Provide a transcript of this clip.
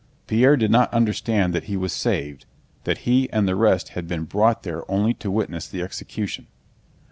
Pierre did not understand that he was saved, that he and the rest had been brought there only to witness the execution.